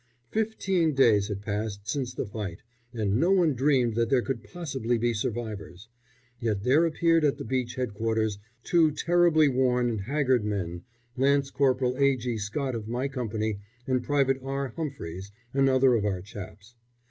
Fifteen days had passed since the fight, and no one dreamed that there could possibly be survivors, yet there appeared at the beach headquarters two terribly worn and haggard men, Lance Corporal A. G. Scott of my company, and Private R. Humphries, another of our chaps.